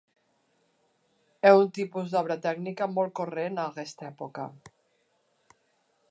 És un tipus d'obra tècnica molt corrent a aquesta època.